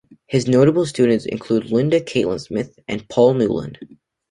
His notable students include Linda Catlin Smith and Paul Newland.